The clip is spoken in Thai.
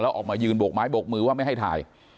ออกมายืนโบกไม้โบกมือว่าไม่ให้ถ่าย